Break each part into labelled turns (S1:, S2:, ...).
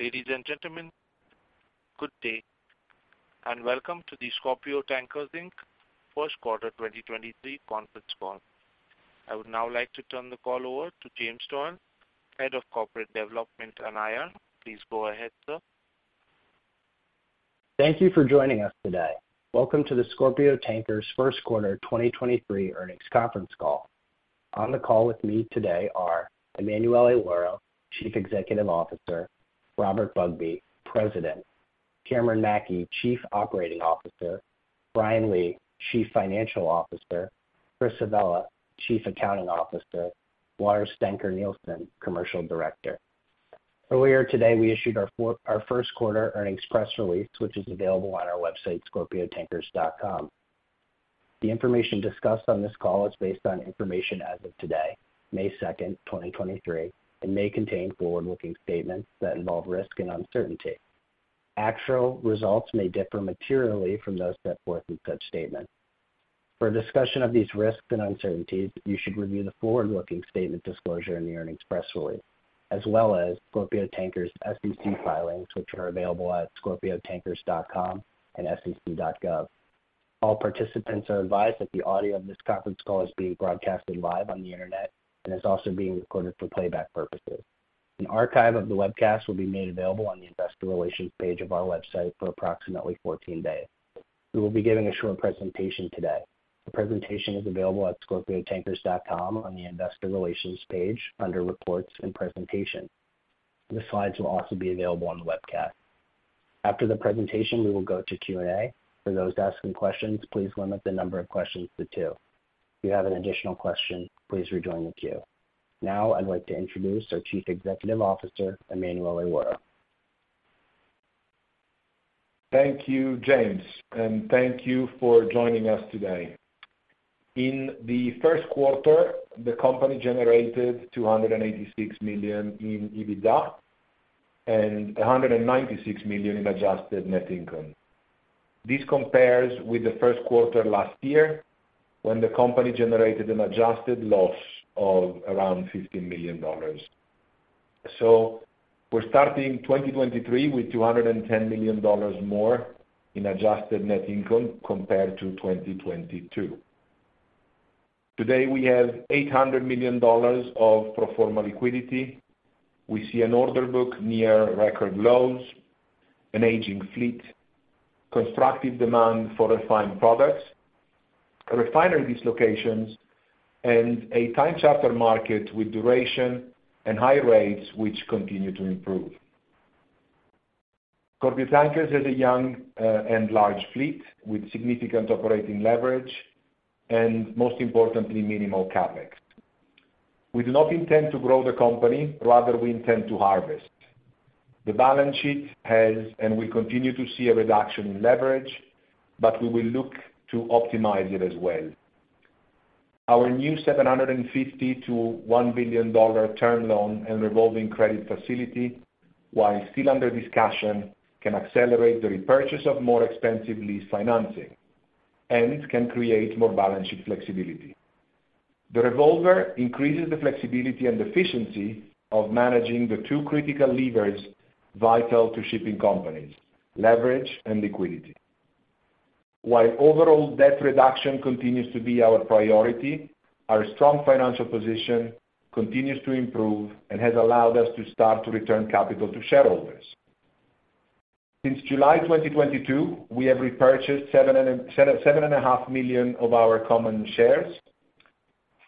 S1: Ladies and gentlemen, good day, and welcome to the Scorpio Tankers Inc. Q1 2023 conference call. I would now like to turn the call over to James Doyle, Head of Corporate Development and IR. Please go ahead, sir.
S2: Thank you for joining us today. Welcome to the Scorpio Tankers Q1 2023 earnings conference call. On the call with me today are Emanuele Lauro, Chief Executive Officer, Robert Bugbee, President, Cameron Mackey, Chief Operating Officer, Brian Lee, Chief Financial Officer, Chris Avella, Chief Accounting Officer, Lars Dencker Nielsen, Commercial Director. Earlier today, we issued our Q1 earnings press release, which is available on our website, scorpiotankers.com. The information discussed on this call is based on information as of today, May second, 2023, and may contain forward-looking statements that involve risk and uncertainty. Actual results may differ materially from those set forth in such statements. For a discussion of these risks and uncertainties, you should review the forward-looking statement disclosure in the earnings press release, as well as Scorpio Tankers SEC filings, which are available at scorpiotankers.com and sec.gov. All participants are advised that the audio of this conference call is being broadcasted live on the Internet and is also being recorded for playback purposes. An archive of the webcast will be made available on the investor relations page of our website for approximately 14 days. We will be giving a short presentation today. The presentation is available at scorpiotankers.com on the investor relations page under reports and presentation. The slides will also be available on the webcast. After the presentation, we will go to Q&A. For those asking questions, please limit the number of questions to 2. If you have an additional question, please rejoin the queue. I'd like to introduce our Chief Executive Officer, Emanuele Lauro.
S3: Thank you, James, and thank you for joining us today. In the Q1, the company generated $286 million in EBITDA and $196 million in adjusted net income. This compares with the Q1 last year when the company generated an adjusted loss of around $50 million. We're starting 2023 with $210 million more in adjusted net income compared to 2022. Today, we have $800 million of pro forma liquidity. We see an order book near record lows, an aging fleet, constructive demand for refined products, refinery dislocations, and a time charter market with duration and high rates which continue to improve. Scorpio Tankers has a young and large fleet with significant operating leverage, and most importantly, minimal CapEx. We do not intend to grow the company, rather we intend to harvest. The balance sheet has, and we continue to see a reduction in leverage, but we will look to optimize it as well. Our new $750 million-$1 billion term loan and revolving credit facility, while still under discussion, can accelerate the repurchase of more expensive lease financing and can create more balance sheet flexibility. The revolver increases the flexibility and efficiency of managing the 2 critical levers vital to shipping companies, leverage and liquidity. While overall debt reduction continues to be our priority, our strong financial position continues to improve and has allowed us to start to return capital to shareholders. Since July 2022, we have repurchased 7.5 million of our common shares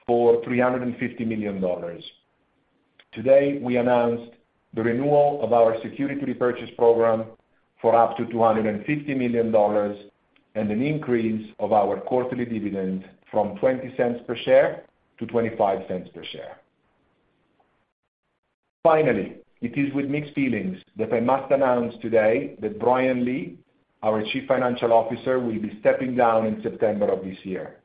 S3: for $350 million. Today, we announced the renewal of our security purchase program for up to $250 million and an increase of our quarterly dividend from $0.20 per share to $0.25 per share. Finally, it is with mixed feelings that I must announce today that Brian Lee, our Chief Financial Officer, will be stepping down in September of this year.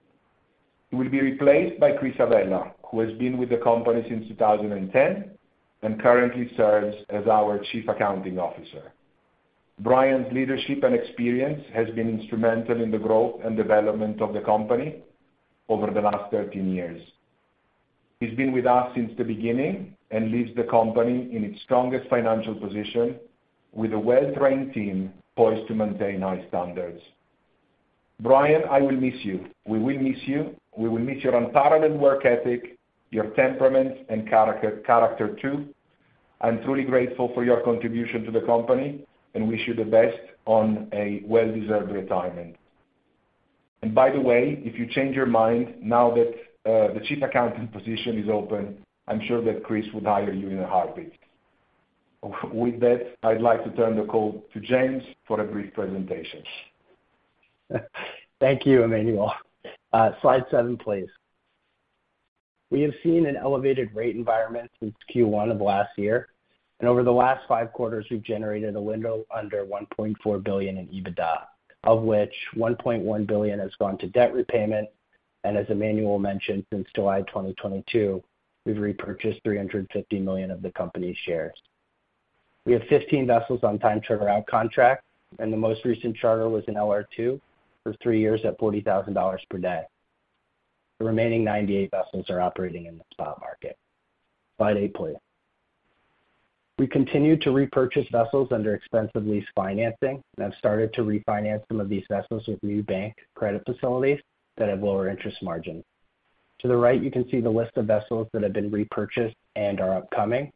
S3: He will be replaced by Chris Avella, who has been with the company since 2010 and currently serves as our Chief Accounting Officer. Brian's leadership and experience has been instrumental in the growth and development of the company over the last 13 years. He's been with us since the beginning and leaves the company in its strongest financial position with a well-trained team poised to maintain high standards. Brian, I will miss you. We will miss you. We will miss your unparalleled work ethic, your temperament and character too. I'm truly grateful for your contribution to the company and wish you the best on a well-deserved retirement. By the way, if you change your mind now that the Chief Accounting Officer position is open, I'm sure that Chris Avella would hire you in a heartbeat. With that, I'd like to turn the call to James Doyle for a brief presentation.
S2: Thank you, Emmanuel. Slide seven, please. We have seen an elevated rate environment since Q1 of last year, and over the last five quarters, we've generated a window under $1.4 billion in EBITDA, of which $1.1 billion has gone to debt repayment. As Emmanuel mentioned, since July 2022, we've repurchased $350 million of the company's shares. We have 15 vessels on time charter out contract, and the most recent charter was in LR2 for three years at $40,000 per day. The remaining 98 vessels are operating in the spot market. Slide eight, please. We continue to repurchase vessels under expensive lease financing and have started to refinance some of these vessels with new bank credit facilities that have lower interest margin. To the right, you can see the list of vessels that have been repurchased and are upcoming.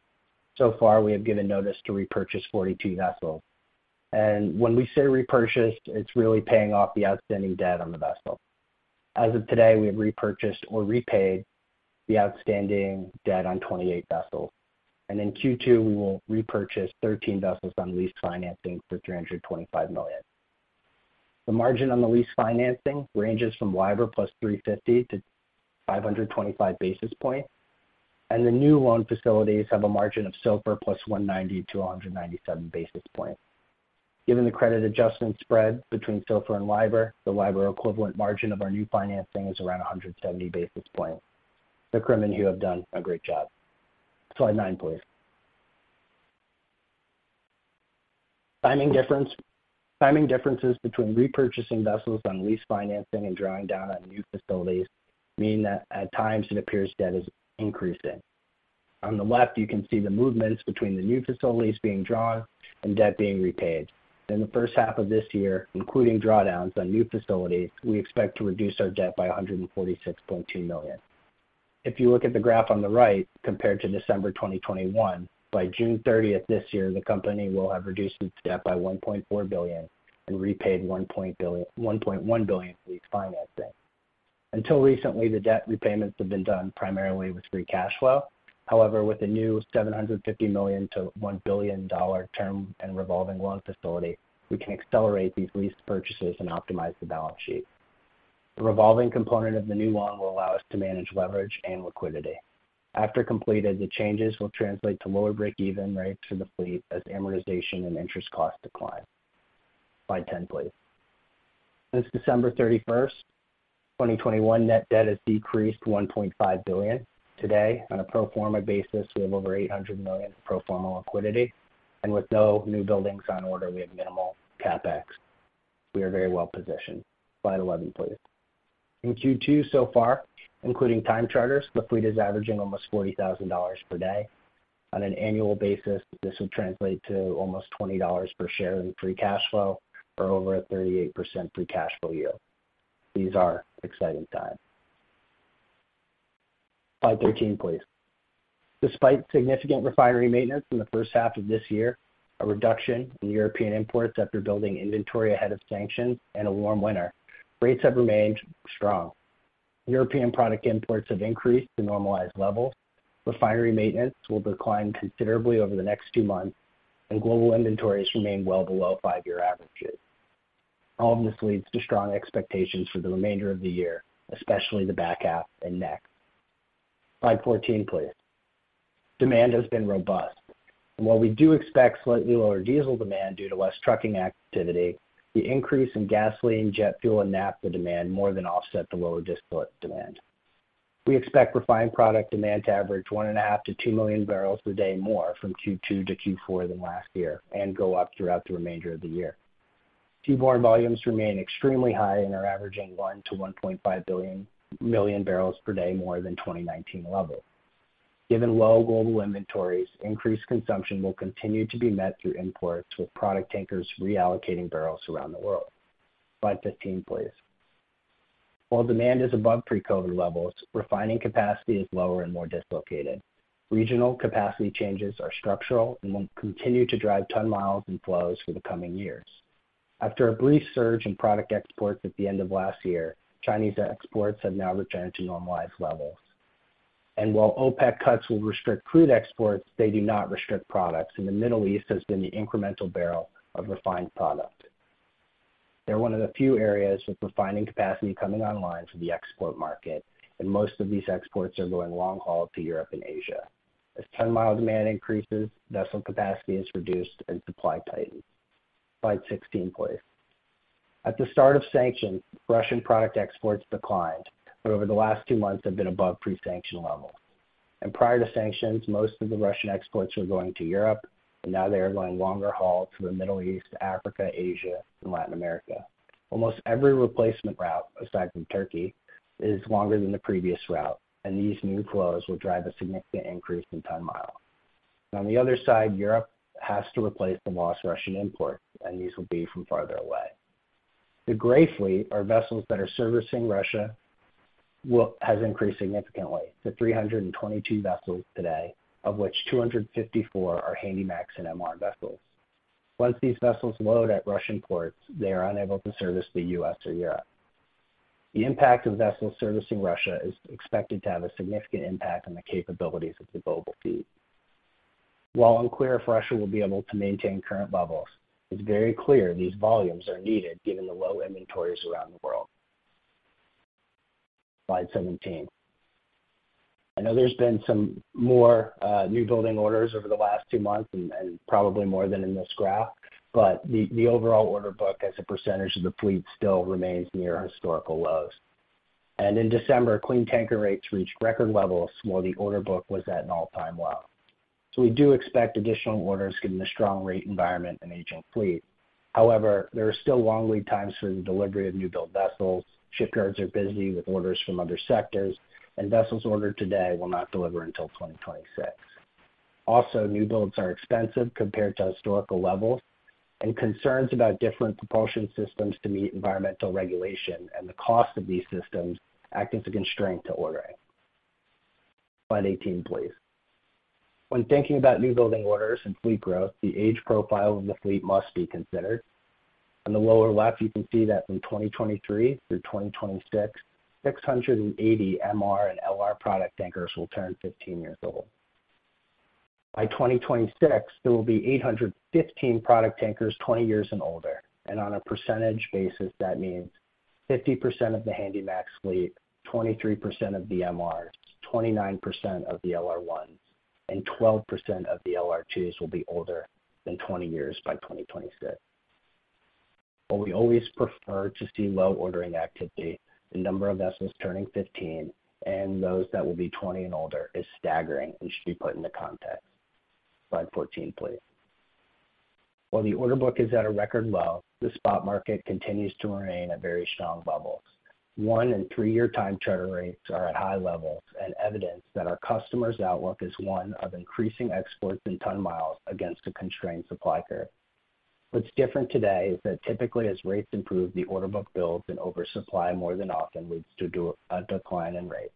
S2: Far, we have given notice to repurchase 42 vessels. When we say repurchased, it's really paying off the outstanding debt on the vessel. As of today, we have repurchased or repaid the outstanding debt on 28 vessels, and in Q2, we will repurchase 13 vessels on lease financing for $325 million. The margin on the lease financing ranges from LIBOR + 350-525 basis points, and the new loan facilities have a margin of SOFR + 190-197 basis points. Given the credit adjustment spread between SOFR and LIBOR, the LIBOR equivalent margin of our new financing is around 170 basis points. The crew and you have done a great job. Slide 9, please. Timing differences between repurchasing vessels on lease financing and drawing down on new facilities mean that at times it appears debt is increasing. On the left, you can see the movements between the new facilities being drawn and debt being repaid. In the H1 of this year, including drawdowns on new facilities, we expect to reduce our debt by $146.2 million. If you look at the graph on the right compared to December 2021, by June 30th this year, the company will have reduced its debt by $1.4 billion and repaid $1.1 billion in lease financing. Until recently, the debt repayments have been done primarily with free cash flow. With the new $750 million-$1 billion term and revolving loan facility, we can accelerate these lease purchases and optimize the balance sheet. The revolving component of the new loan will allow us to manage leverage and liquidity. After completed, the changes will translate to lower break-even rates for the fleet as amortization and interest costs decline. Slide 10, please. Since December 31, 2021, net debt has decreased $1.5 billion. Today, on a pro forma basis, we have over $800 million in pro forma liquidity, and with no newbuildings on order, we have minimal CapEx. We are very well-positioned. Slide 11, please. In Q2 so far, including time charters, the fleet is averaging almost $40,000 per day. On an annual basis, this would translate to almost $20 per share in free cash flow or over a 38% free cash flow yield. These are exciting times. Slide 13, please. Despite significant refinery maintenance in the H1 of this year, a reduction in European imports after building inventory ahead of sanctions and a warm winter, rates have remained strong. European product imports have increased to normalized levels. Refinery maintenance will decline considerably over the next 2 months, and global inventories remain well below 5-year averages. All of this leads to strong expectations for the remainder of the year, especially the back half and next. Slide 14, please. Demand has been robust. While we do expect slightly lower diesel demand due to less trucking activity, the increase in gasoline, jet fuel and naphtha demand more than offset the lower distillate demand. We expect refined product demand to average 1.5 million-2 million barrels per day more from Q2 to Q4 than last year and go up throughout the remainder of the year. Seaborne volumes remain extremely high and are averaging 1 million-1.5 million barrels per day more than 2019 levels. Given low global inventories, increased consumption will continue to be met through imports, with product tankers reallocating barrels around the world. Slide 15, please. While demand is above pre-COVID levels, refining capacity is lower and more dislocated. Regional capacity changes are structural and will continue to drive ton-miles and flows for the coming years. After a brief surge in product exports at the end of last year, Chinese exports have now returned to normalized levels. While OPEC cuts will restrict crude exports, they do not restrict products, the Middle East has been the incremental barrel of refined product. They're one of the few areas with refining capacity coming online for the export market, and most of these exports are going long haul to Europe and Asia. As ton-mile demand increases, vessel capacity is reduced and supply tightens. Slide 16, please. At the start of sanctions, Russian product exports declined, but over the last 2 months have been above pre-sanction levels. Prior to sanctions, most of the Russian exports were going to Europe, and now they are going longer haul to the Middle East, Africa, Asia and Latin America. Almost every replacement route, aside from Turkey, is longer than the previous route, and these new flows will drive a significant increase in ton-mile. On the other side, Europe has to replace the lost Russian imports, these will be from farther away. The gray fleet are vessels that are servicing Russia has increased significantly to 322 vessels today, of which 254 are Handymax and MR vessels. Once these vessels load at Russian ports, they are unable to service the U.S. or Europe. The impact of vessels servicing Russia is expected to have a significant impact on the capabilities of the global fleet. While unclear if Russia will be able to maintain current levels, it's very clear these volumes are needed given the low inventories around the world. Slide 17. I know there's been some more newbuilding orders over the last 2 months and probably more than in this graph, but the overall order book as a percentage of the fleet still remains near historical lows. In December, clean tanker rates reached record levels while the order book was at an all-time low. We do expect additional orders given the strong rate environment and aging fleet. However, there are still long lead times for the delivery of newbuilding vessels. Shipyards are busy with orders from other sectors, and vessels ordered today will not deliver until 2026. Newbuildings are expensive compared to historical levels, and concerns about different propulsion systems to meet environmental regulation and the cost of these systems act as a constraint to ordering. Slide 18, please. When thinking about newbuilding orders and fleet growth, the age profile of the fleet must be considered. On the lower left, you can see that from 2023 through 2026, 680 MR and LR product tankers will turn 15 years old. By 2026, there will be 815 product tankers 20 years and older, and on a percentage basis, that means 50% of the Handymax fleet, 23% of the MRs, 29% of the LR1s, and 12% of the LR2s will be older than 20 years by 2026. While we always prefer to see low ordering activity, the number of vessels turning 15 and those that will be 20 and older is staggering and should be put into context. Slide 14, please. While the order book is at a record low, the spot market continues to remain at very strong levels. One and three-year time charter rates are at high levels and evidence that our customers' outlook is one of increasing exports and ton-miles against a constrained supply curve. What's different today is that typically as rates improve, the order book builds and oversupply more than often leads to a decline in rate.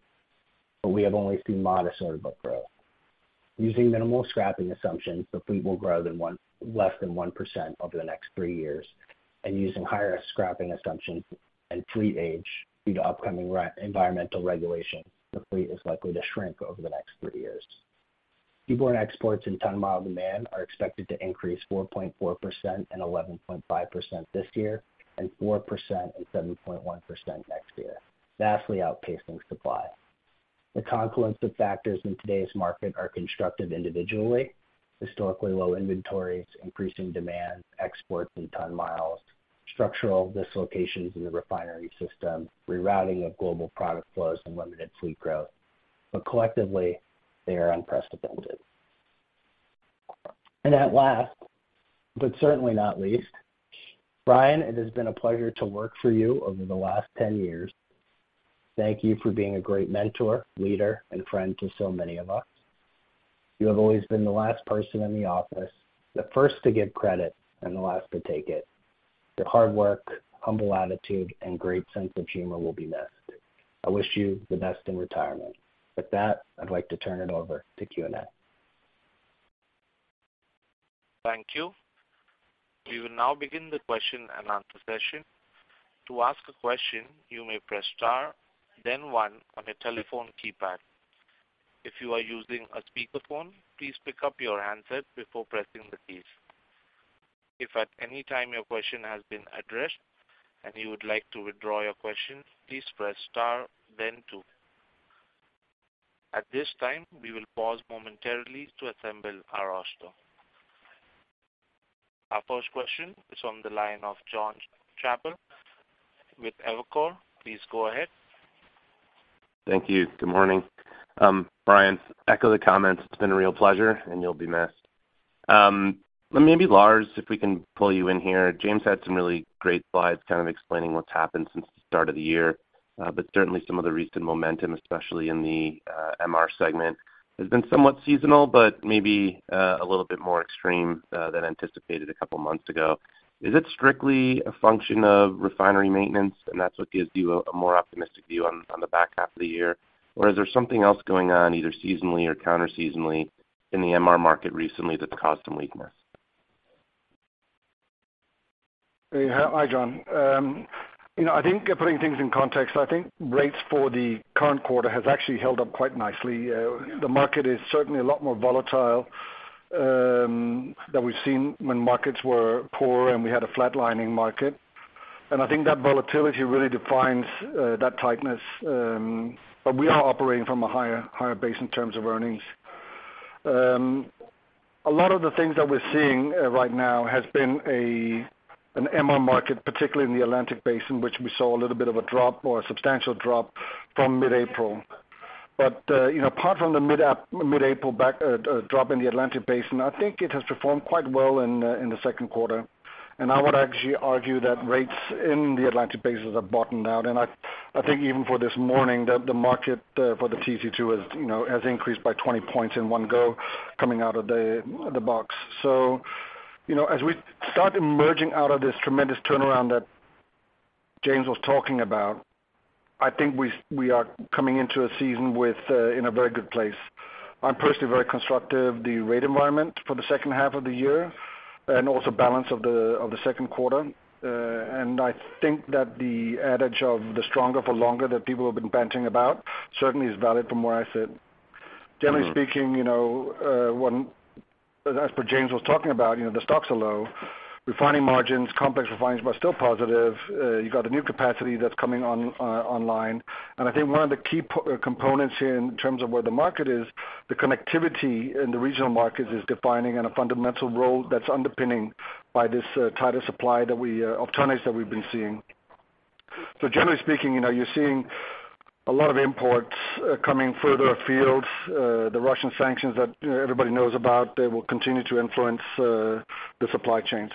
S2: We have only seen modest order book growth. Using minimal scrapping assumptions, the fleet will grow less than 1% over the next three years, and using higher scrapping assumptions and fleet age due to upcoming environmental regulation, the fleet is likely to shrink over the next three years. Seaborne exports and ton-mile demand are expected to increase 4.4% and 11.5% this year and 4% and 7.1% next year, vastly outpacing supply. The confluence of factors in today's market are constructive individually, historically low inventories, increasing demand, exports and ton-miles, structural dislocations in the refinery system, rerouting of global product flows, and limited fleet growth, but collectively they are unprecedented. At last, but certainly not least, Brian, it has been a pleasure to work for you over the last 10 years. Thank you for being a great mentor, leader, and friend to so many of us. You have always been the last person in the office, the first to give credit and the last to take it. Your hard work, humble attitude, and great sense of humor will be missed. I wish you the best in retirement. With that, I'd like to turn it over to Q&A.
S1: Thank you. We will now begin the Q&A session. To ask a question, you may press star then one on your telephone keypad. If you are using a speakerphone, please pick up your handset before pressing the keys. If at any time your question has been addressed and you would like to withdraw your question, please press star then 2. At this time, we will pause momentarily to assemble our roster. Our first question is on the line of Jonathan Chappell with Evercore. Please go ahead.
S4: Thank you. Good morning. Brian, echo the comments. It's been a real pleasure, and you'll be missed. Maybe Lars, if we can pull you in here. James had some really great slides kind of explaining what's happened since the start of the year. Certainly some of the recent momentum, especially in the MR segment, has been somewhat seasonal, but maybe a little bit more extreme than anticipated a couple of months ago. Is it strictly a function of refinery maintenance, and that's what gives you a more optimistic view on the back half of the year? Or is there something else going on, either seasonally or counter seasonally in the MR market recently that's caused some weakness?
S5: Yeah. Hi, Jon. You know, I think putting things in context, I think rates for the current quarter has actually held up quite nicely. The market is certainly a lot more volatile than we've seen when markets were poor, and we had a flatlining market. I think that volatility really defines that tightness. We are operating from a higher base in terms of earnings. A lot of the things that we're seeing right now has been an MR market, particularly in the Atlantic basin, which we saw a little bit of a drop or a substantial drop from mid-April. You know, apart from the mid-April back drop in the Atlantic basin, I think it has performed quite well in the Q2. I would actually argue that rates in the Atlantic basins have bottomed out. I think even for this morning that the market for the TC2 has, you know, increased by 20 points in one go coming out of the box. You know, as we start emerging out of this tremendous turnaround that James was talking about, I think we are coming into a season in a very good place. I'm personally very constructive the rate environment for the H2 of the year and also balance of the Q2. I think that the adage of the stronger for longer that people have been bandying about certainly is valid from where I sit. Generally speaking, you know, as per James was talking about, you know, the stocks are low. Refining margins, complex refining margins are still positive. You got a new capacity that's coming on online. I think one of the key components here in terms of where the market is, the connectivity in the regional markets is defining and a fundamental role that's underpinning by this tighter supply that we of ton miles that we've been seeing. Generally speaking, you know, you're seeing a lot of imports coming further afield. The Russian sanctions that, you know, everybody knows about, they will continue to influence the supply chains.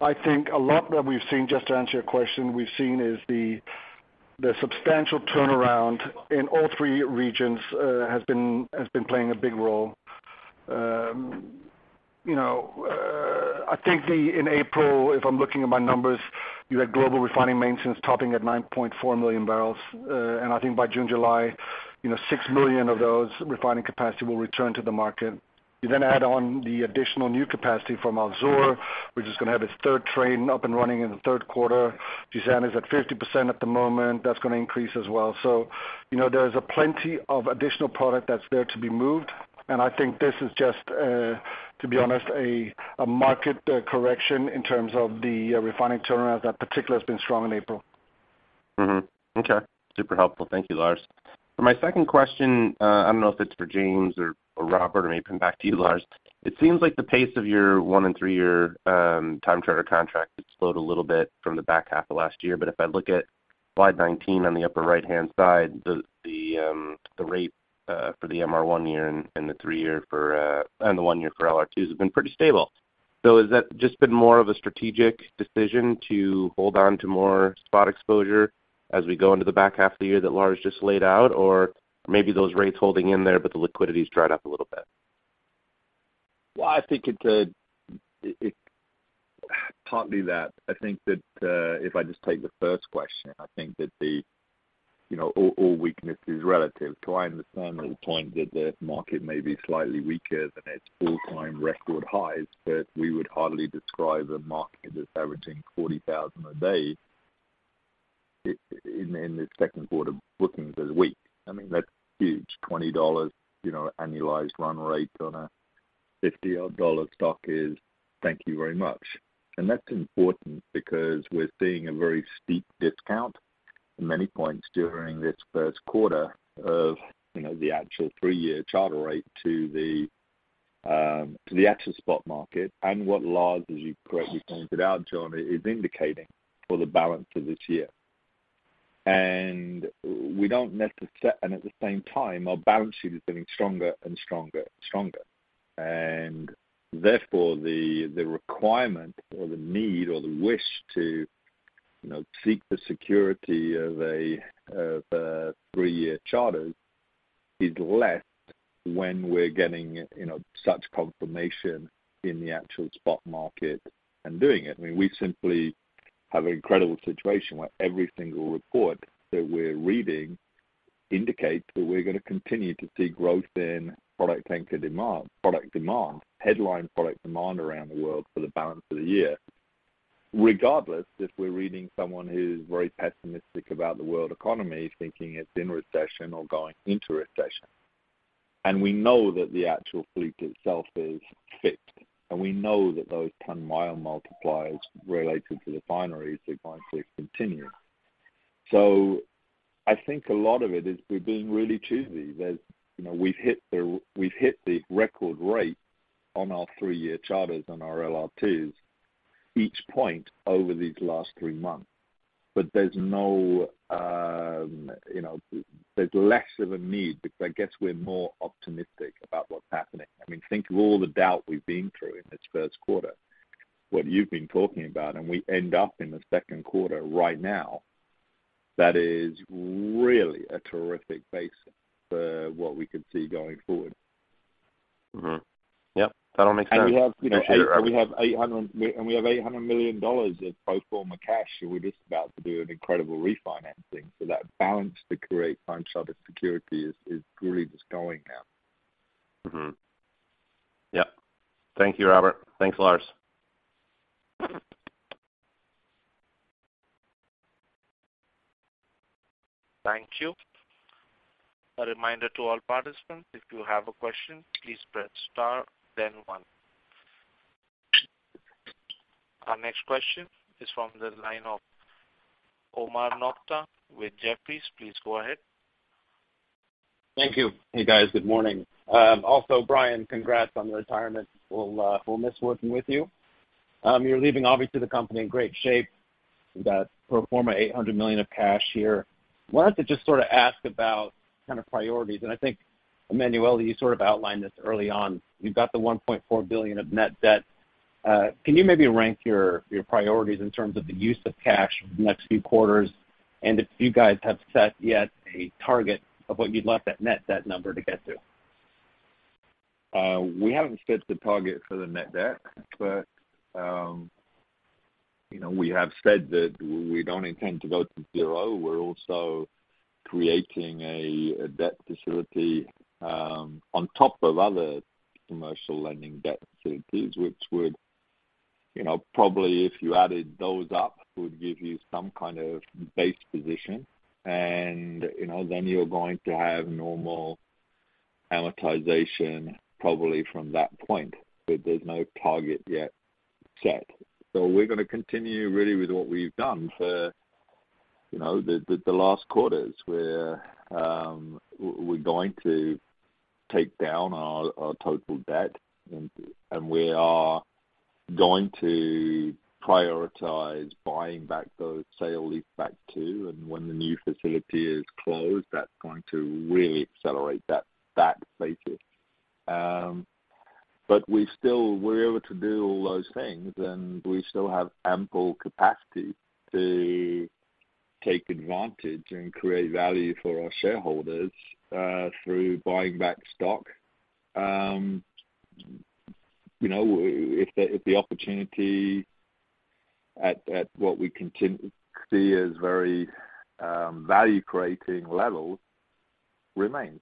S5: I think a lot that we've seen, just to answer your question, we've seen is the substantial turnaround in all three regions has been playing a big role. You know, I think the... In April, if I'm looking at my numbers, you had global refining maintenance topping at 9.4 million barrels. I think by June, July, you know, 6 million of those refining capacity will return to the market. You add on the additional new capacity from Al Zour, which is gonna have its third train up and running in the Q3. Jazan is at 50% at the moment. That's gonna increase as well. You know, there is plenty of additional product that's there to be moved, I think this is just, to be honest, a market correction in terms of the refining turnaround. That particular has been strong in April.
S4: Okay. Super helpful. Thank you, Lars. For my second question, I don't know if it's for James or Robert or maybe come back to you, Lars. It seems like the pace of your 1 and 3-year time charter contract has slowed a little bit from the back half of last year. If I look at slide 19 on the upper right-hand side, the rate for the MR 1 year and the 3 year for and the 1 year for LR2s has been pretty stable. Has that just been more of a strategic decision to hold on to more spot exposure as we go into the back half of the year that Lars just laid out? Or maybe those rates holding in there, but the liquidity's dried up a little bit?
S6: Well, I think it's partly that. I think that if I just take the first question, I think that the, you know, all weakness is relative to understand the point that the market may be slightly weaker than its all-time record highs, but we would hardly describe a market that's averaging $40,000 a day in the Q2 bookings as weak. I mean, that's huge. $20, you know, annualized run rate on a $50 odd dollar stock is thank you very much. That's important because we're seeing a very steep discount in many points during this Q1 of, you know, the actual three-year charter rate to the actual spot market. What Lars, as you correctly pointed out, John, is indicating for the balance of this year. At the same time, our balance sheet is getting stronger and stronger and stronger. Therefore, the requirement or the need or the wish to, you know, seek the security of a three-year charter is less when we're getting, you know, such confirmation in the actual spot market and doing it. I mean, we simply have an incredible situation where every single report that we're reading indicates that we're gonna continue to see growth in product tanker demand, product demand, headline product demand around the world for the balance of the year, regardless if we're reading someone who's very pessimistic about the world economy, thinking it's in recession or going into recession. We know that the actual fleet itself is fixed, and we know that those ton-mile multipliers related to refineries are going to continue. I think a lot of it is we're being really choosy. You know, we've hit the record rate on our three-year charters on our LR2s each point over these last three months. There's no, you know, there's less of a need because I guess we're more optimistic about what's happening. Think of all the doubt we've been through in this Q1, what you've been talking about, and we end up in the Q2 right now. That is really a terrific basis for what we could see going forward.
S4: Mm-hmm. Yep. That all makes sense.
S6: we have, you know,
S4: Thank you, Robert.
S6: We have $800 million of pro forma cash, and we're just about to do an incredible refinancing. That balance to create time charter security is really just going now.
S4: Mm-hmm. Yep. Thank you, Robert. Thanks, Lars.
S1: Thank you. A reminder to all participants, if you have a question, please press star then one. Our next question is from the line of Omar Nokta with Jefferies. Please go ahead.
S7: Thank you. Hey, guys. Good morning. Also, Brian, congrats on the retirement. We'll miss working with you. You're leaving obviously the company in great shape. You've got pro forma $800 million of cash here. Wanted to just sort of ask about kind of priorities, and I think, Emanuele, you sort of outlined this early on. You've got the $1.4 billion of net debt. Can you maybe rank your priorities in terms of the use of cash for the next few quarters? If you guys have set yet a target of what you'd like that net debt number to get to?
S6: We haven't set the target for the net debt, but, you know, we have said that we don't intend to go to zero. We're also creating a debt facility on top of other commercial lending debt facilities, which would, you know, probably, if you added those up, would give you some kind of base position. You know, then you're going to have normal amortization probably from that point. There's no target yet set. We're gonna continue really with what we've done for, you know, the last quarters, where we're going to take down our total debt and we are going to prioritize buying back those sale leaseback too. When the new facility is closed, that's going to really accelerate that basis. We're able to do all those things, and we still have ample capacity to take advantage and create value for our shareholders through buying back stock. If the opportunity at what we see as very value-creating levels remains.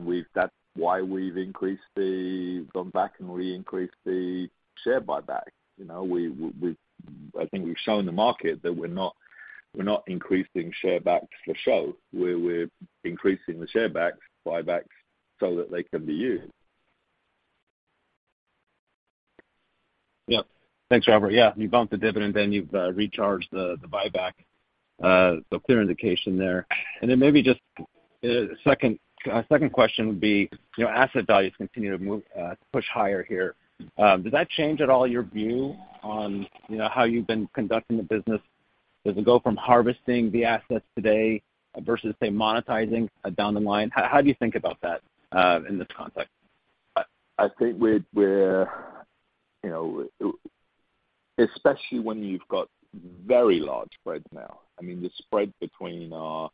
S6: We've that's why we've increased the gone back and increased the share buyback. We've shown the market that we're not increasing share backs for show. We're increasing the share backs, buybacks so that they can be used.
S7: Yep. Thanks, Robert. Yeah, you bumped the dividend, then you've recharged the buyback. Clear indication there. Maybe just second question would be, you know, asset values continue to move, push higher here. Does that change at all your view on, you know, how you've been conducting the business? Does it go from harvesting the assets today versus, say, monetizing down the line? How do you think about that in this context?
S6: I think we're, you know. Especially when you've got very large spreads now. I mean, the spread between our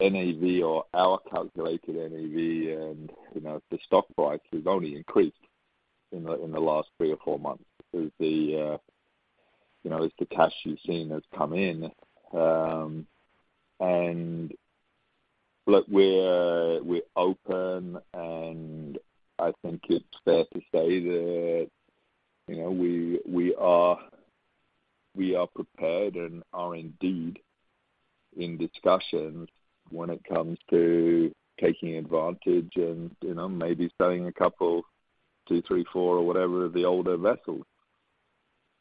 S6: NAV or our calculated NAV and, you know, the stock price has only increased in the last three or four months as the, you know, as the cash you've seen has come in. Look, we're open, and I think it's fair to say that, you know, we are prepared and are indeed in discussions when it comes to taking advantage and, you know, maybe selling a couple, 2, three, four, or whatever, of the older vessels.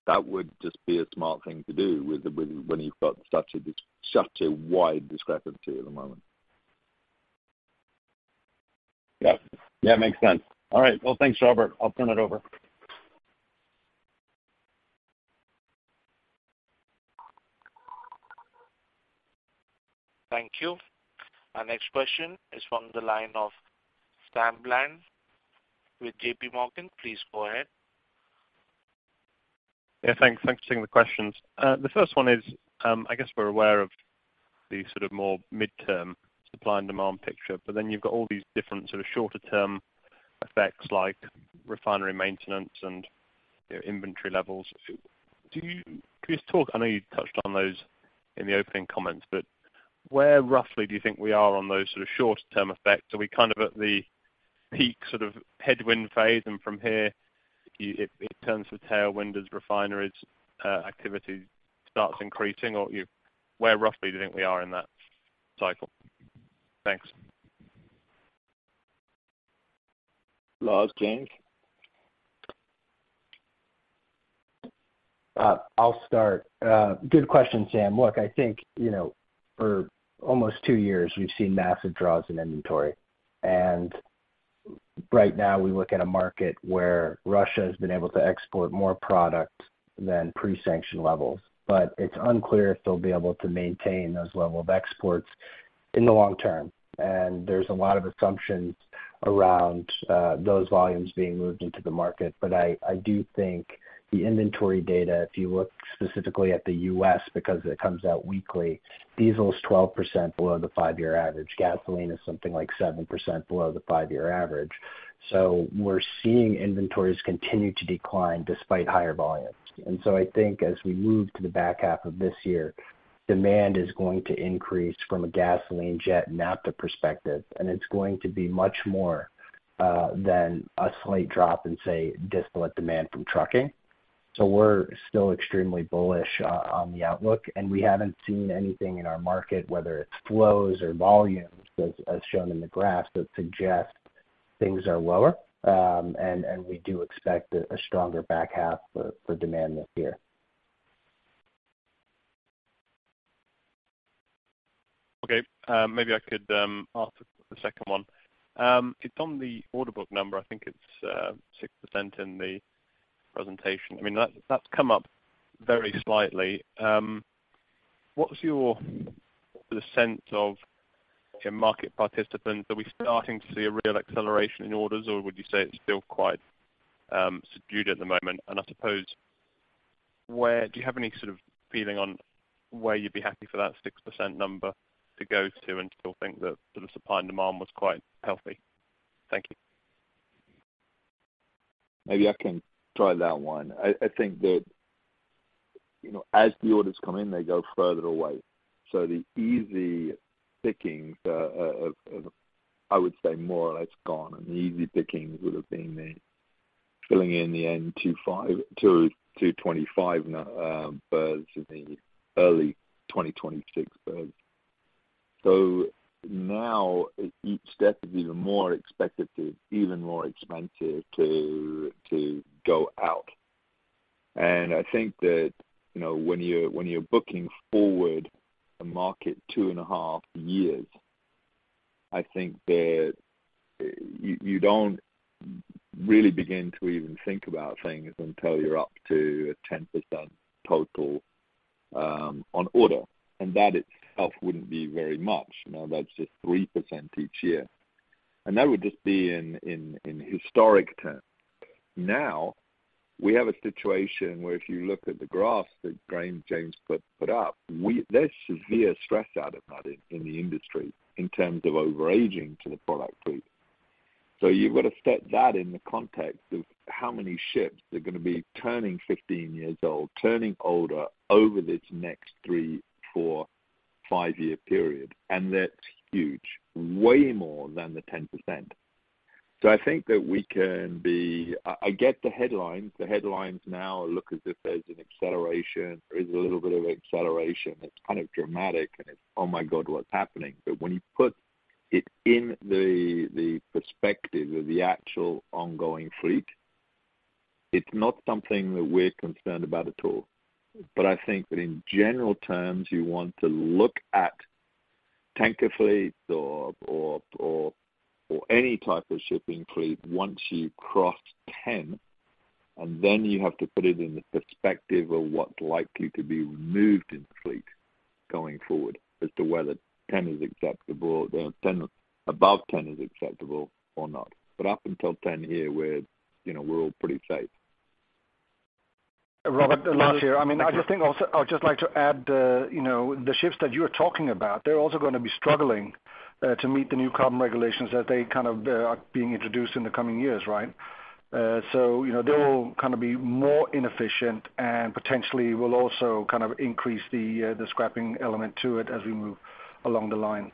S6: That would just be a smart thing to do with the when you've got such a wide discrepancy at the moment.
S7: Yeah. Yeah, makes sense. All right. Thanks, Robert. I'll turn it over.
S1: Thank you. Our next question is from the line of Samuel Bland with JP Morgan. Please go ahead.
S8: Yeah, thanks. Thanks for taking the questions. The first one is, I guess we're aware of the sort of more midterm supply and demand picture, but then you've got all these different sort of shorter term effects like refinery maintenance and, you know, inventory levels. Can you just talk, I know you touched on those in the opening comments, but where roughly do you think we are on those sort of short term effects? Are we kind of at the peak sort of headwind phase, and from here it turns to tailwind as refineries activity starts increasing? Where roughly do you think we are in that cycle? Thanks.
S6: Lars, James?
S2: I'll start. Good question, Samuel Bland. Look, I think, you know, for almost 2 years we've seen massive draws in inventory. Right now we look at a market where Russia has been able to export more product than pre-sanction levels, but it's unclear if they'll be able to maintain those level of exports in the long term. There's a lot of assumptions around those volumes being moved into the market. I do think the inventory data, if you look specifically at the U.S. because it comes out weekly, diesel is 12% below the 5-year average. Gasoline is something like 7% below the 5-year average. We're seeing inventories continue to decline despite higher volumes. I think as we move to the back half of this year, demand is going to increase from a gasoline jet and naphtha perspective, and it's going to be much more than a slight drop in, say, distillate demand from trucking. We're still extremely bullish on the outlook, and we haven't seen anything in our market, whether it's flows or volumes, as shown in the graphs, that suggest things are lower. We do expect a stronger back half for demand this year.
S8: Okay. Maybe I could ask the second one. It's on the order book number. I think it's 6% in the presentation. I mean, that's come up very slightly. What's your sense of market participants? Are we starting to see a real acceleration in orders or would you say it's still quite subdued at the moment? I suppose, do you have any sort of feeling on where you'd be happy for that 6% number to go to and still think that the supply and demand was quite healthy? Thank you.
S6: Maybe I can try that one. I think that, you know, as the orders come in, they go further away. The easy pickings of, I would say more or less gone. The easy pickings would have been the filling in the end 25, 2, 225 birds in the early 2026 birds. Now each step is even more expensive to go out. I think that, you know, when you're booking forward a market 2.5 years, I think that you don't really begin to even think about things until you're up to a 10% total on order. That itself wouldn't be very much. Now that's just 3% each year. That would just be in historic terms. Now, we have a situation where if you look at the graphs that James put up, there's severe stress out of that in the industry in terms of overaging to the product fleet. You've got to set that in the context of how many ships are gonna be turning 15 years old, turning older over this next 3, 4, 5-year period. That's huge, way more than the 10%. I think that we can be... I get the headlines. The headlines now look as if there's an acceleration. There is a little bit of acceleration. It's kind of dramatic, and it's, "Oh my god, what's happening?" When you put it in the perspective of the actual ongoing fleet, it's not something that we're concerned about at all. I think that in general terms, you want to look at tanker fleets or any type of shipping fleet once you cross 10, and then you have to put it in the perspective of what's likely to be removed in the fleet going forward as to whether 10 is acceptable, above 10 is acceptable or not. Up until 10 here, we're, you know, we're all pretty safe.
S5: Robert and Lars here.
S6: Okay.
S5: I mean, I just think I would just like to add, you know, the ships that you're talking about, they're also gonna be struggling to meet the new carbon regulations as they are being introduced in the coming years, right? You know, they will kinda be more inefficient and potentially will also kind of increase the scrapping element to it as we move along the line.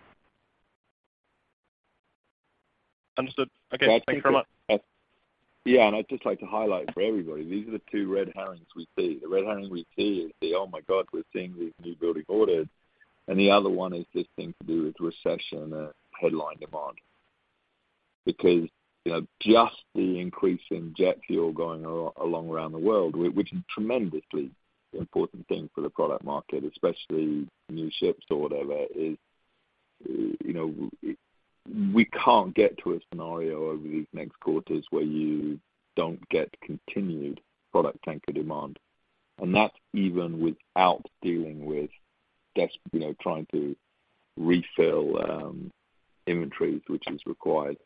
S6: Understood. Okay. Well, I think. Thank you very much. Yeah. I'd just like to highlight for everybody, these are the 2 red herrings we see. The red herring we see is the, "Oh my god, we're seeing these newbuilding orders." The other one is this thing to do with recession, headline demand. You know, just the increase in jet fuel going along around the world, which is a tremendously important thing for the product market, especially new ships or whatever, is, you know... We can't get to a scenario over these next quarters where you don't get continued product tanker demand. That's even without dealing with, you know, trying to refill inventories which is required.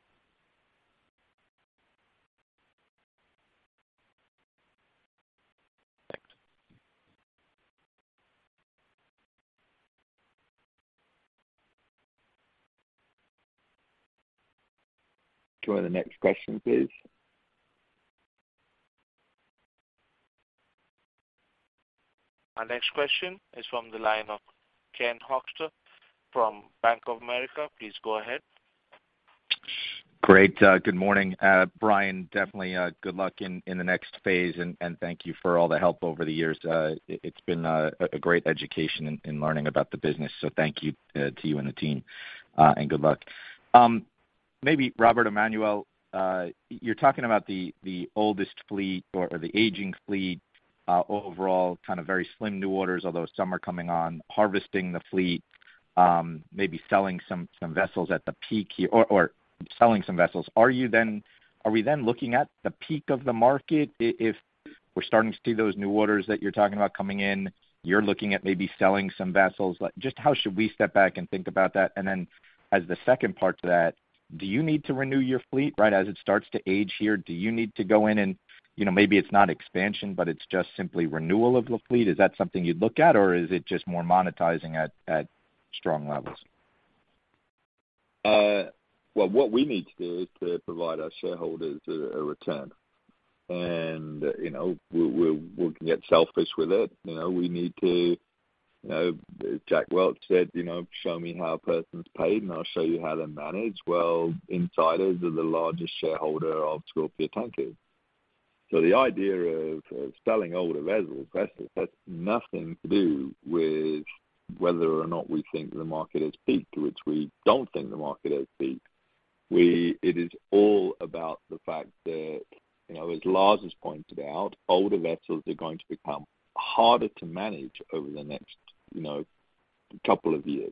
S6: Thanks. Enjoy the next question, please.
S1: Our next question is from the line of Ken Hoexter from Bank of America. Please go ahead.
S9: Great. Good morning. Brian, definitely, good luck in the next phase, and thank you for all the help over the years. It's been a great education in learning about the business. Thank you to you and the team, and good luck. Maybe Robert or Manuel, you're talking about the oldest fleet or the aging fleet, overall, kind of very slim new orders, although some are coming on, harvesting the fleet, maybe selling some vessels at the peak here or selling some vessels. Are you then, are we then looking at the peak of the market if we're starting to see those new orders that you're talking about coming in, you're looking at maybe selling some vessels? Like, just how should we step back and think about that? As the second part to that, do you need to renew your fleet, right? As it starts to age here, do you need to go in and, you know, maybe it's not expansion, but it's just simply renewal of the fleet. Is that something you'd look at, or is it just more monetizing at strong levels?
S6: Well, what we need to do is to provide our shareholders a return. You know, we can get selfish with it. You know, we need to, you know, Jack Welch said, you know, "Show me how a person's paid, and I'll show you how they're managed." Well, insiders are the largest shareholder of Scorpio Tankers. The idea of selling older vessels has nothing to do with whether or not we think the market has peaked, which we don't think the market has peaked. It is all about the fact that, you know, as Lars has pointed out, older vessels are going to become harder to manage over the next, you know, couple of years.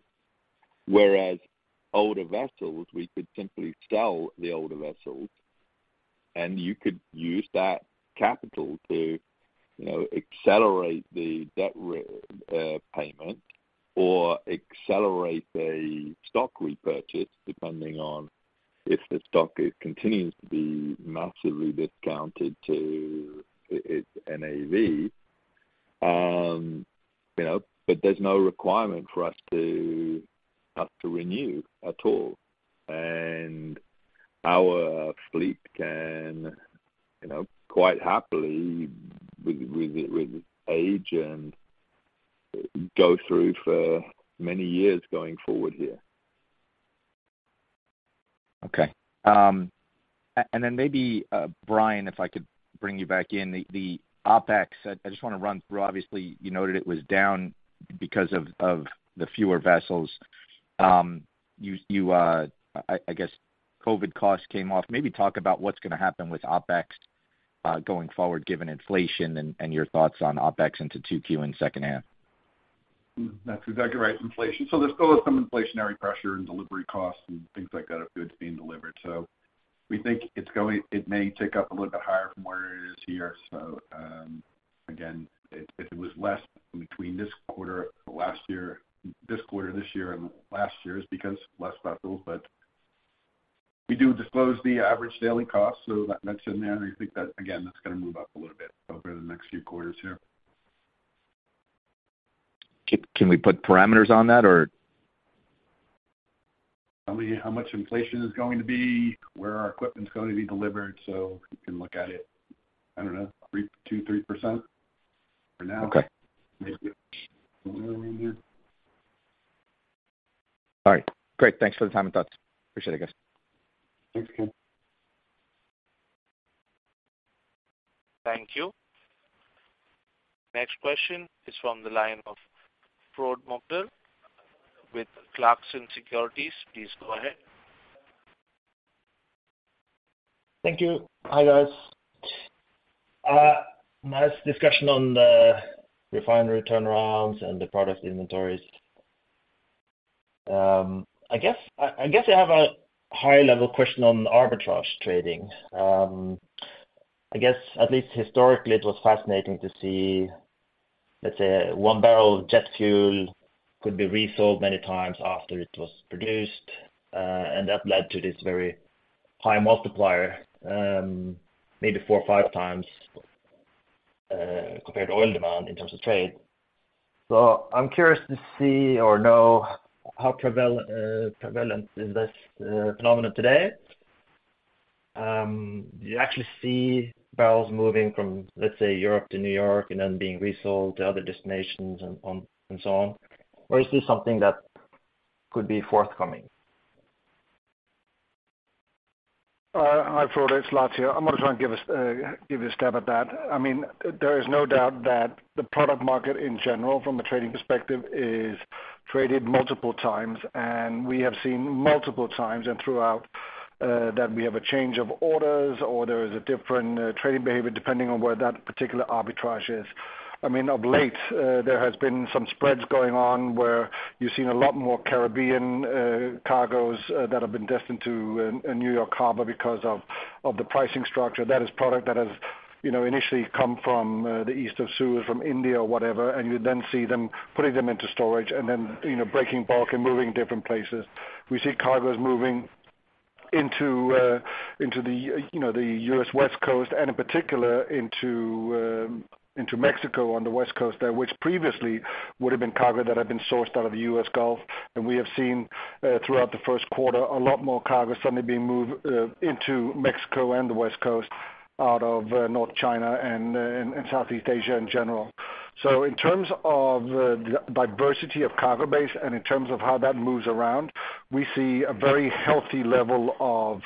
S6: Older vessels, we could simply sell the older vessels, and you could use that capital to, you know, accelerate the debt repayment or accelerate a stock repurchase, depending on if the stock, it continues to be massively discounted to its NAV. You know, there's no requirement for us to have to renew at all. Our fleet can, you know, quite happily with age and go through for many years going forward here.
S9: Okay. Then maybe, Brian, if I could bring you back in. The OpEx, I just wanna run through. Obviously, you noted it was down because of the fewer vessels. You, you, I guess COVID costs came off. Maybe talk about what's gonna happen with OpEx going forward, given inflation and your thoughts on OpEx into 2Q in H2.
S5: That's exactly right, inflation. There's still some inflationary pressure and delivery costs and things like that of goods being delivered. We think it may tick up a little bit higher from where it is here. Again, if it was less between this quarter, last year. This quarter, this year and last year is because less vessels. But we do disclose the average daily cost, so that's in there. I think that, again, that's gonna move up a little bit over the next few quarters here.
S9: Can we put parameters on that or?
S5: Tell me how much inflation is going to be, where our equipment's gonna be delivered so you can look at it, I don't know, 2%, 3% for now.
S9: Okay. All right, great. Thanks for the time and thoughts. Appreciate it, guys.
S5: Thanks, Ken.
S1: Thank you. Next question is from the line of Frode Morkedal with Clarksons Securities. Please go ahead.
S10: Thank you. Hi, guys. Nice discussion on the refinery turnarounds and the product inventories. I guess I have a high level question on arbitrage trading. I guess at least historically, it was fascinating to see, let's say 1 barrel of jet fuel could be resold many times after it was produced, and that led to this very high multiplier, maybe 4 or 5 times, compared to oil demand in terms of trade. I'm curious to see or know how prevalent is this phenomenon today. Do you actually see barrels moving from, let's say, Europe to New York and then being resold to other destinations and on and so on? Or is this something that could be forthcoming?
S5: Hi, Frode. It's Lats here. I'm gonna try and give a stab at that. I mean, there is no doubt that the product market in general from a trading perspective, is traded multiple times, and we have seen multiple times and throughout that we have a change of orders or there is a different trading behavior depending on where that particular arbitrage is. I mean, of late, there has been some spreads going on where you've seen a lot more Caribbean cargos that have been destined to New York Harbor because of the pricing structure. That is product that has, you know, initially come from the east of Suez, from India or whatever, and you then see them putting them into storage and then, you know, breaking bulk and moving different places. We see cargos moving into, you know, the U.S. West Coast and in particular into Mexico on the West Coast there, which previously would've been cargo that had been sourced out of the U.S. Gulf. We have seen throughout the Q1, a lot more cargo suddenly being moved into Mexico and the West Coast out of North China and Southeast Asia in general. In terms of the diversity of cargo base and in terms of how that moves around, we see a very healthy level of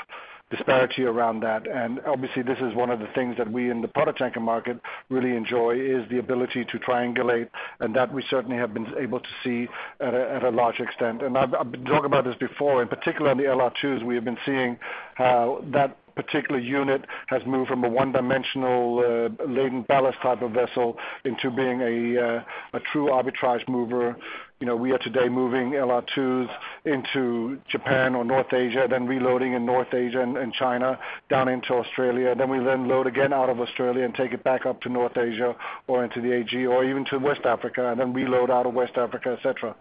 S5: disparity around that. Obviously this is one of the things that we in the product tanker market really enjoy, is the ability to triangulate, and that we certainly have been able to see at a large extent. I've talked about this before, in particular on the LR2s, we have been seeing how that particular unit has moved from a one-dimensional, laden ballast type of vessel into being a true arbitrage mover. You know, we are today moving LR2s into Japan or North Asia, then reloading in North Asia and China down into Australia. We then load again out of Australia and take it back up to North Asia or into the AG or even to West Africa, and then reload out of West Africa, et cetera.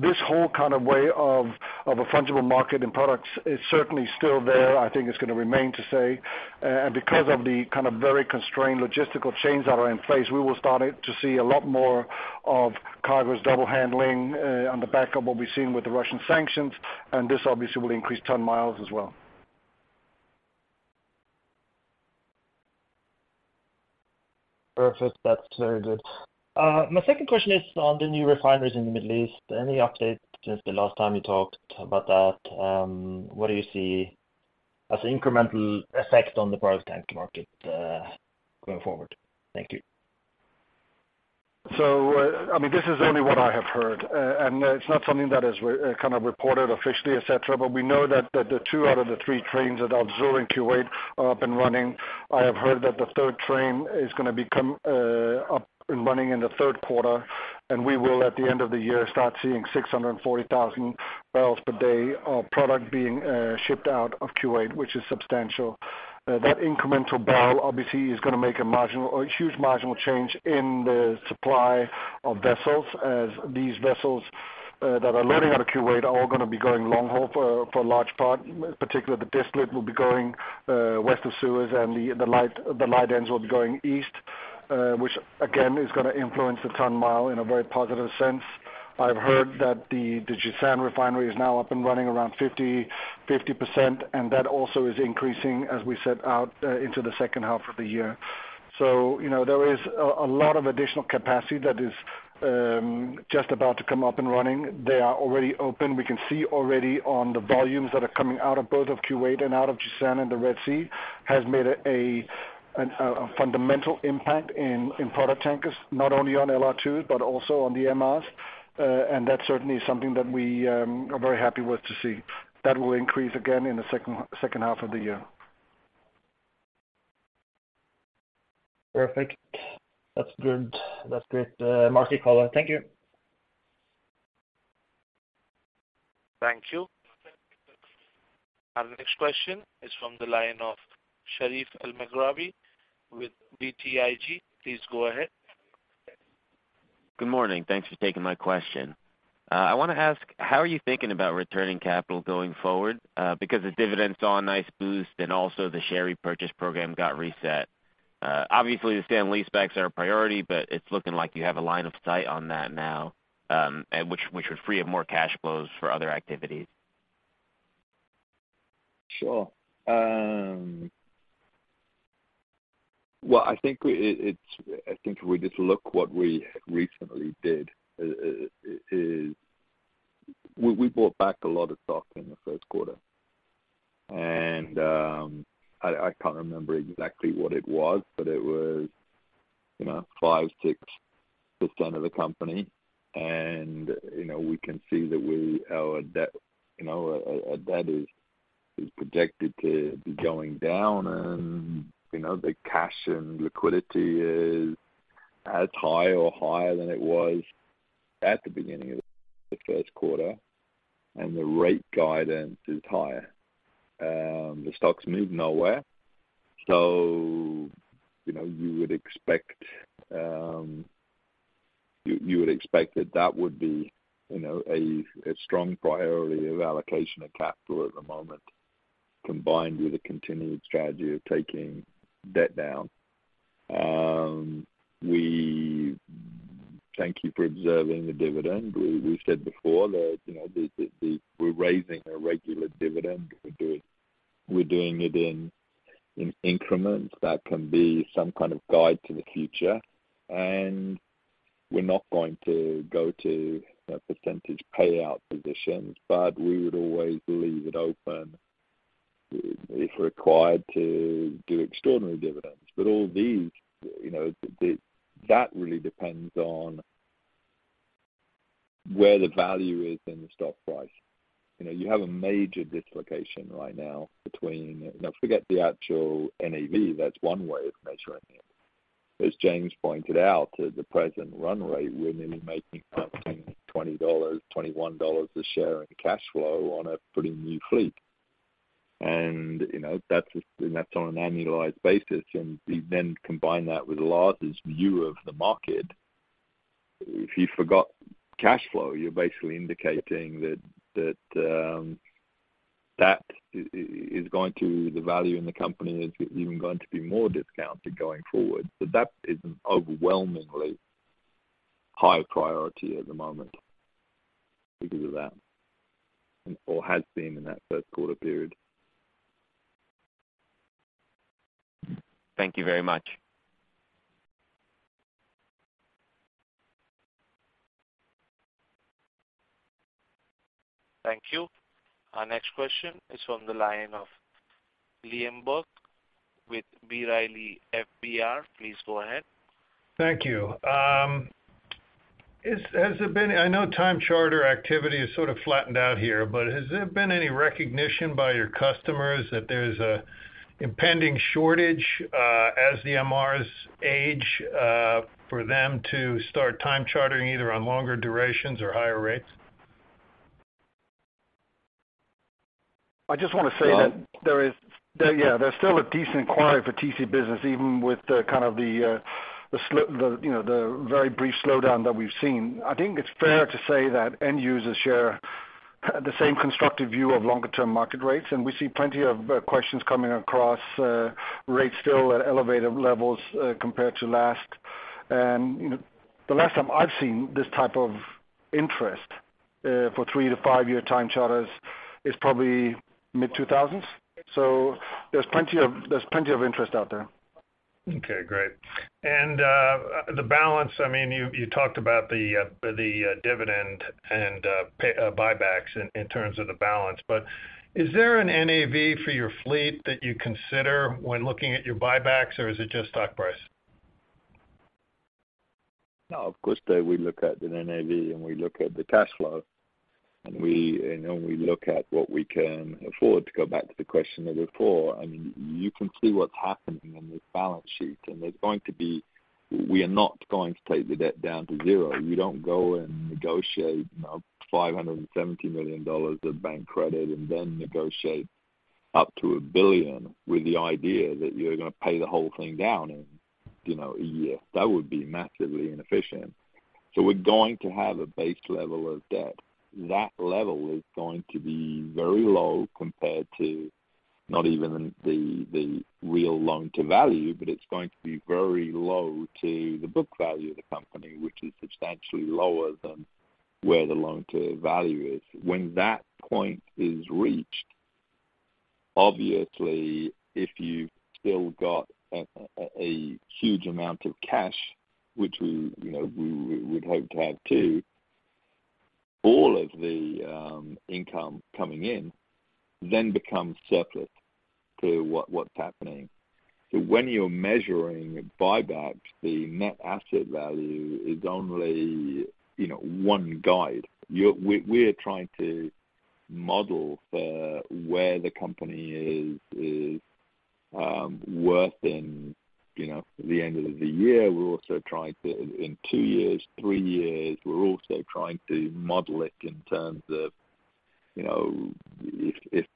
S5: This whole kind of way of a fungible market and products is certainly still there. I think it's gonna remain to say. Because of the kind of very constrained logistical chains that are in place, we will start to see a lot more of cargo's double handling on the back of what we've seen with the Russian sanctions, this obviously will increase ton-miles as well.
S10: Perfect. That's very good. My second question is on the new refineries in the Middle East. Any update since the last time you talked about that? What do you see as incremental effect on the product tank market going forward? Thank you.
S5: I mean, this is only what I have heard, and it's not something that is kind of reported officially, et cetera, but we know that the 2 out of the 3 trains at Al Zour in Kuwait are up and running. I have heard that the third train is gonna become up and running in the Q3, and we will, at the end of the year, start seeing 640,000 barrels per day of product being shipped out of Kuwait, which is substantial. That incremental barrel obviously is gonna make a marginal or a huge marginal change in the supply of vessels as these vessels that are loading out of Kuwait are all gonna be going long haul for a large part, particularly the distillate will be going west of Suez and the light ends will be going east, which again, is gonna influence the ton-mile in a very positive sense. I've heard that the Jazan refinery is now up and running around 50%, and that also is increasing as we set out into the H2 of the year. You know, there is a lot of additional capacity that is just about to come up and running. They are already open. We can see already on the volumes that are coming out of both of Kuwait and out of Jazan and the Red Sea, has made a fundamental impact in product tankers, not only on LR2, but also on the MRs. That's certainly something that we are very happy with to see. That will increase again in the H2 of the year.
S10: Perfect. That's good. That's great. Mark, I call out. Thank you.
S1: Thank you. Our next question is from the line of Sherif Elmaghrabi with BTIG. Please go ahead.
S11: Good morning. Thanks for taking my question. I want to ask, how are you thinking about returning capital going forward? Also, the dividends saw a nice boost, and the share repurchase program got reset. Obviously, the stay on lease backs are a priority, but it's looking like you have a line of sight on that now, and which would free up more cash flows for other activities.
S6: Sure. Well, I think if we just look what we recently did is we bought back a lot of stock in the Q1. I can't remember exactly what it was, but it was, you know, 5%, 6% of the company. You know, we can see that our debt, you know, our debt is projected to be going down and, you know, the cash and liquidity is as high or higher than it was at the beginning of the Q1, and the rate guidance is higher. The stock's moved nowhere. You know, you would expect that that would be, you know, a strong priority of allocation of capital at the moment, combined with a continued strategy of taking debt down. We thank you for observing the dividend. We said before that, you know, the... We're raising a regular dividend. We're doing it in increments that can be some kind of guide to the future. We're not going to go to a percentage payout positions, but we would always leave it open if required to do extraordinary dividends. All these, you know, the... That really depends on where the value is in the stock price. You know, you have a major dislocation right now between... Now forget the actual NAV, that's one way of measuring it. As James pointed out, at the present run rate, we're nearly making $20, $21 a share in cash flow on a pretty new fleet. You know, that's, and that's on an annualized basis. You then combine that with Lars' view of the market. If you forgot cash flow, you're basically indicating that the value in the company is even going to be more discounted going forward. That is overwhelmingly high priority at the moment because of that or has been in that Q1 period.
S11: Thank you very much.
S1: Thank you. Our next question is from the line of Liam Burke with B. Riley FBR. Please go ahead.
S12: Thank you. I know time charter activity has sort of flattened out here, but has there been any recognition by your customers that there's a impending shortage as the MRs age for them to start time chartering either on longer durations or higher rates?
S5: I just wanna say that there is Yeah, there's still a decent inquiry for TC business, even with the kind of the, you know, the very brief slowdown that we've seen. I think it's fair to say that end users share the same constructive view of longer-term market rates. We see plenty of questions coming across rates still at elevated levels compared to last. You know, the last time I've seen this type of interest for 3-5 year time charters is probably mid-2000s. There's plenty of interest out there.
S12: Okay, great. I mean, you talked about the dividend and buybacks in terms of the balance. Is there an NAV for your fleet that you consider when looking at your buybacks, or is it just stock price?
S6: No, of course, Dave, we look at the NAV, and we look at the cash flow, and we, and then we look at what we can afford to go back to the question of before. I mean, you can see what's happening on this balance sheet. There's going to be. We are not going to take the debt down to zero. You don't go and negotiate, you know, $570 million of bank credit and then negotiate up to $1 billion with the idea that you're gonna pay the whole thing down in, you know, a year. That would be massively inefficient. We're going to have a base level of debt. That level is going to be very low compared to not even the real loan-to-value, but it's going to be very low to the book value of the company, which is substantially lower than where the loan-to-value is. When that point is reached, obviously, if you've still got a huge amount of cash, which we, you know, we would hope to have too. All of the income coming in then becomes surplus to what's happening. When you're measuring buybacks, the net asset value is only, you know, one guide. We're trying to model for where the company is worth in, you know, the end of the year. We're also trying to in 2 years, three years, we're also trying to model it in terms of, you know, if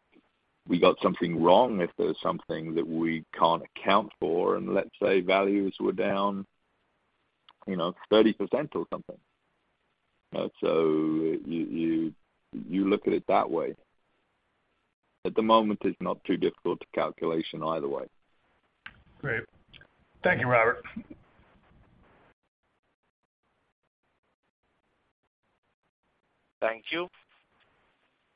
S6: we got something wrong, if there's something that we can't account for and let's say values were down, you know, 30% or something. You look at it that way. At the moment, it's not too difficult a calculation either way. Great. Thank you, Robert.
S1: Thank you.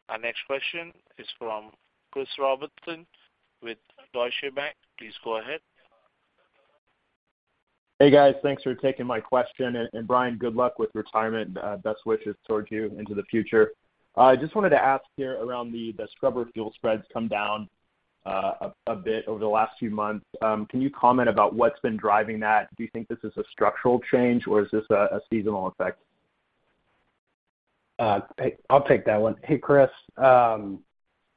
S1: Our next question is from Christopher Robertson with Deutsche Bank. Please go ahead.
S13: Hey, guys. Thanks for taking my question. Brian, good luck with retirement. Best wishes towards you into the future. I just wanted to ask here around the scrubber fuel spreads come down a bit over the last few months. Can you comment about what's been driving that? Do you think this is a structural change or is this a seasonal effect?
S2: I'll take that one. Hey, Chris. I,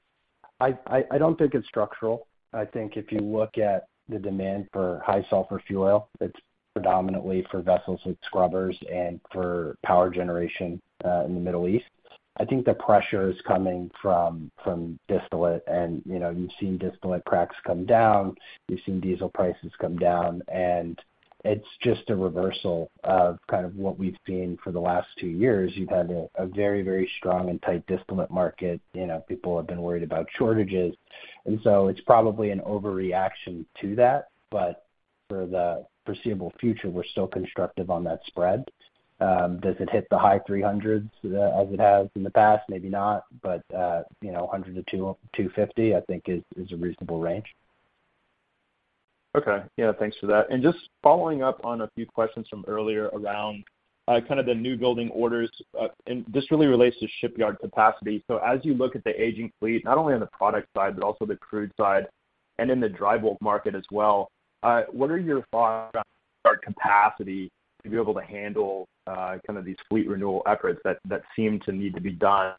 S2: I don't think it's structural. I think if you look at the demand for high sulfur fuel, it's predominantly for vessels with scrubbers and for power generation in the Middle East. I think the pressure is coming from distillate and, you know, you've seen distillate cracks come down. You've seen diesel prices come down, and it's just a reversal of kind of what we've seen for the last 2 years. You've had a very, very strong and tight distillate market. You know, people have been worried about shortages. It's probably an overreaction to that, but for the foreseeable future we're still constructive on that spread. Does it hit the high three hundreds as it has in the past? Maybe not. you know, 100 to 200, 250, I think is a reasonable range.
S13: Okay. Yeah, thanks for that. Just following up on a few questions from earlier around kind of the newbuilding orders. This really relates to shipyard capacity. As you look at the aging fleet, not only on the product side, but also the crude side and in the dry bulk market as well, what are your thoughts on our capacity to be able to handle kind of these fleet renewal efforts that seem to need to be done,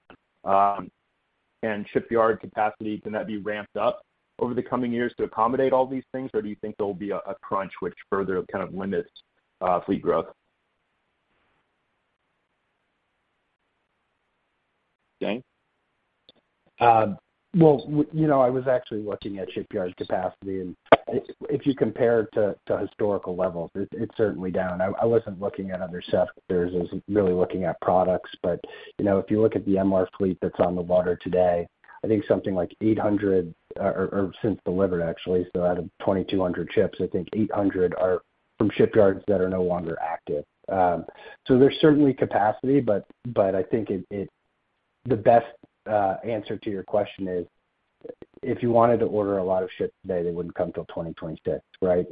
S13: and shipyard capacity? Can that be ramped up over the coming years to accommodate all these things, or do you think there'll be a crunch which further kind of limits fleet growth?
S6: Dan?
S2: Well, you know, I was actually looking at shipyard capacity, and if you compare it to historical levels, it's certainly down. I wasn't looking at other sectors. I was really looking at products. You know, if you look at the MR fleet that's on the water today, I think something like 800, or since delivered actually. Out of 2,200 ships, I think 800 are from shipyards that are no longer active. There's certainly capacity, but I think the best answer to your question is if you wanted to order a lot of ships today, they wouldn't come till 2022, right?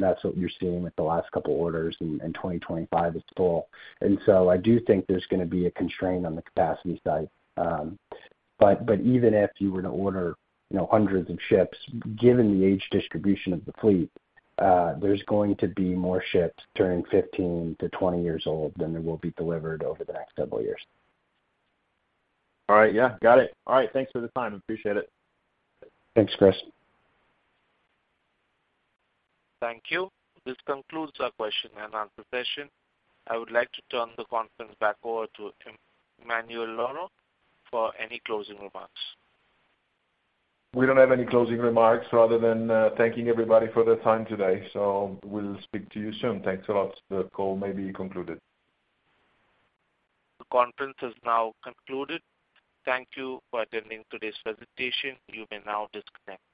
S2: That's what you're seeing with the last couple orders and 2025 is full. I do think there's gonna be a constraint on the capacity side. Even if you were to order, you know, hundreds of ships, given the age distribution of the fleet, there's going to be more ships turning 15 to 20 years old than there will be delivered over the next several years.
S13: All right. Yeah. Got it. All right. Thanks for the time. Appreciate it.
S2: Thanks, Chris.
S1: Thank you. This concludes our Q&A session. I would like to turn the conference back over to Emanuele Lauro for any closing remarks.
S6: We don't have any closing remarks other than thanking everybody for their time today, so we'll speak to you soon. Thanks a lot. The call may be concluded.
S1: The conference is now concluded. Thank you for attending today's presentation. You may now disconnect.